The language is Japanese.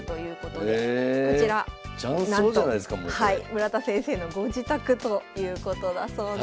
村田先生のご自宅ということだそうです。